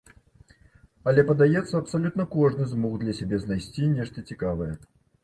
Але, падаецца, абсалютна кожны змог для сябе знайсці нешта цікавае.